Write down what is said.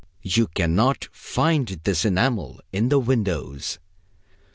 You can not find this enamel in the windows.